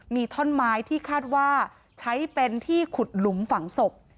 มีท่อนไม้ที่คาดว่าใช้เป็นที่ขุดหลุมฝังศพ